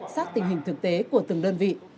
sát tình hình thực tế của từng đơn vị